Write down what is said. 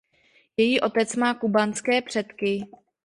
Její otec má kubánské předky.